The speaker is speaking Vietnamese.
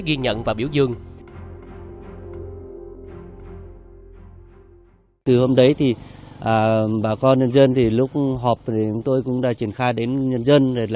ghi nhận và biểu dương